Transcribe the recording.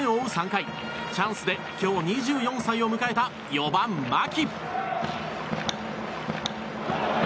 ３回チャンスで今日、２４歳を迎えた４番、牧。